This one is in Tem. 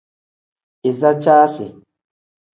Iza caasi.